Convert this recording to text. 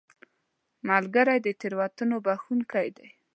ملګری د تېروتنو بخښونکی دی